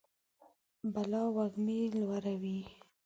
بلا وږمې لوروي